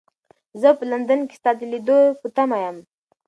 زه په لندن کې ستا د لیدلو په تمه یم.